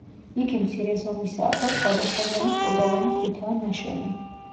იგი მცირე ზომისაა და სხვადასხვა ზომის კლდოვანი ქვითაა ნაშენი.